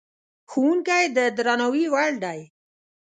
ښوونکی د درناوي وړ دی.